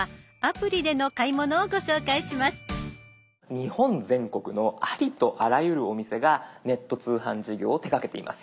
日本全国のありとあらゆるお店がネット通販事業を手がけています。